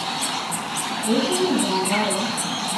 D acu ay bɣan ɣer-i?